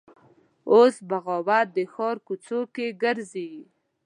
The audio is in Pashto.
اوس بغاوت د ښار کوڅ وکې ګرځي